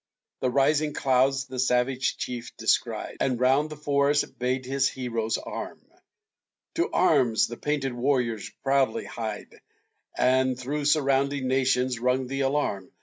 The rising clouds the savage chief descried, And, round the forest, bade his heroes arm; To arms the painted warriors proudly hied, And through surrounding nations rung the alarm.